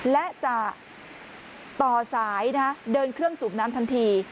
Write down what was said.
และจะต่อสายเดินเครื่องสูบน้ำทันที